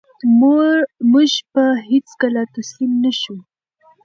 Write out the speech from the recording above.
موږ به هېڅکله تسلیم نه شو.